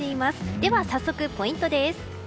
では早速ポイントです。